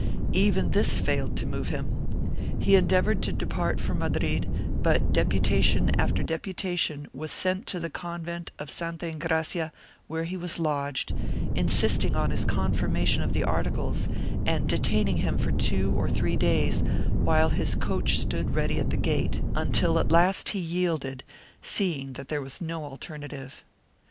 Even this failed to move him. He endeavored to depart for Madrid, but deputation after deputation was sent to the con vent of Santa Engracia where he was lodged, insisting on his con firmation of the articles and detaining him for two or three days while his coach stood ready at the gate, until at last he yielded, seeing that there \vas no alternative.